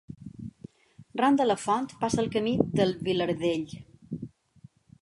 Ran de la font passa el Camí del Vilardell.